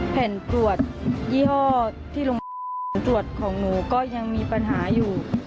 แผ่นตรวจยี่ห้อที่ลงตรวจของหนูก็ยังมีปัญหาอยู่